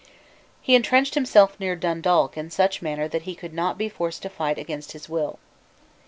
He entrenched himself near Dundalk in such a manner that he could not be forced to fight against his will.